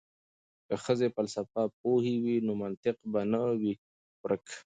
که ښځې فلسفه پوهې وي نو منطق به نه وي ورک.